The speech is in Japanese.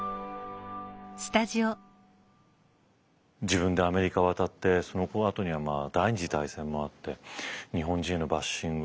自分でアメリカ渡ってそのあとには第二次大戦もあって日本人へのバッシング。